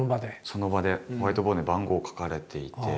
その場でホワイトボードに番号書かれていて。